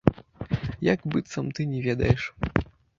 Як быццам ты не ведаеш?